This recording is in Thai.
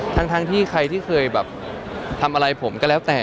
ทั้งที่ใครที่เคยแบบทำอะไรผมก็แล้วแต่